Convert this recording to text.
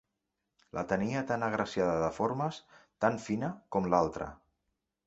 La tenia tan agraciada de formes, tan fina, com l'altra.